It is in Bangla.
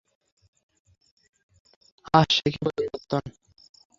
আঃ, সে কি পরিবর্তন।